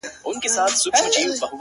• چي بيا ترې ځان را خلاصولای نسم؛